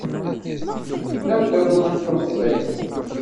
D amdakel n temẓi.